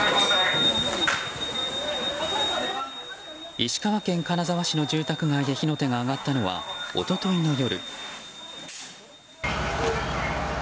石川県金沢市の住宅街で火の手が上がったのは一昨日の夜。